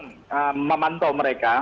saya memang memantau mereka